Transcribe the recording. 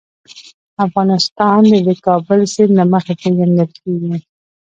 افغانستان د د کابل سیند له مخې پېژندل کېږي.